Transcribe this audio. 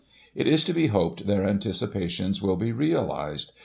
It is to be hoped their anticipations will be realised.